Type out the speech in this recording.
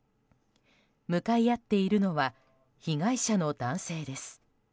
向かい合っているのは被害者の男性です。